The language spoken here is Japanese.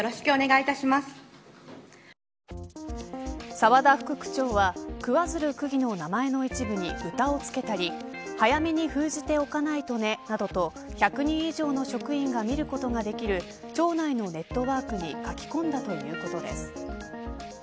澤田副区長は桑水流区議の名前の一部に豚を付けたり早めに封じておかないとねなどと１００人以上の職員が見ることができる庁内のネットワークに書き込んだということです。